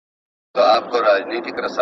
داسي به ډیرو وي پخوا لیدلی